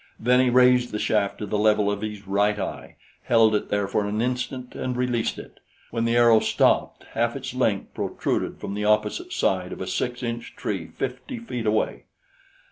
Then he raised the shaft to the level of his right eye, held it there for an instant and released it. When the arrow stopped, half its length protruded from the opposite side of a six inch tree fifty feet away.